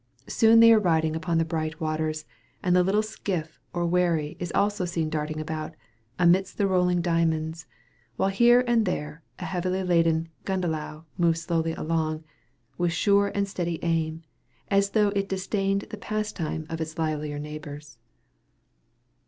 Soon they are riding upon the bright waters, and the little skiff or wherry is also seen darting about, amidst the rolling diamonds, while here and there a heavy laden "gundelow" moves slowly along, "with sure and steady aim," as though it disdained the pastime of its livelier neighbors.